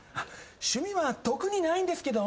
趣味は特にないんですけど。